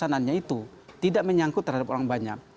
dan maksudnya itu tidak menyangkut terhadap orang banyak